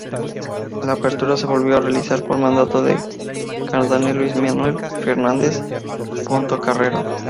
La apertura se volvió a realizar por mandato del cardenal Luis Manuel Fernández Portocarrero.